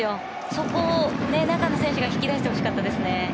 そこは中の選手が引き出してほしかったですね。